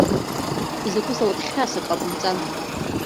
Изакәызаалак хьаас ак ҟабымҵан.